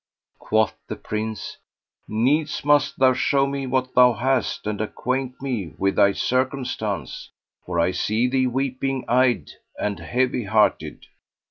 Quoth the Prince, "Needs must thou show me what thou hast and acquaint me with thy circumstance; for I see thee weeping eyed and heavyhearted.